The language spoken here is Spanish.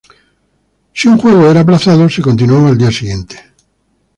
Si un juego era aplazado, se continuaba al día siguiente.